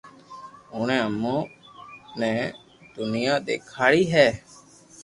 اوڻي امو نين دنيا دآکاري ھي